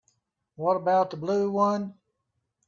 What about the blue one?